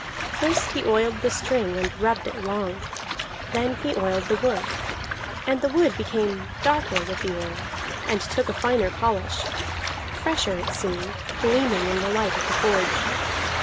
First he oiled the string and rubbed it long; then he oiled the wood. And the wood became darker with the oil, and took a finer polish; fresher it seemed, gleaming in the light of the forge.